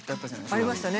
ありましたね。